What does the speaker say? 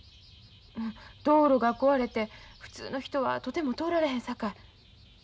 道路が壊れて普通の人はとても通られへんさかい。